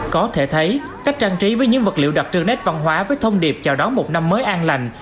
có thể thấy cách trang trí với những vật liệu đặc trưng nét văn hóa với thông điệp chào đón một năm mới an lành